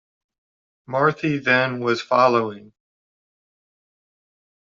Marthe, then, was following.